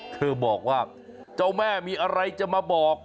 เธอบอกว่าเจ้าแม่มีอะไรจะมาบอก